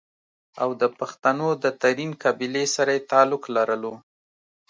او دَپښتنو دَ ترين قبيلې سره ئې تعلق لرلو